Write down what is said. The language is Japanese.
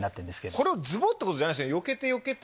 これをズボ！ってことじゃないですよね